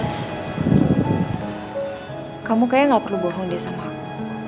abas kamu kayaknya gak perlu bohong deh sama aku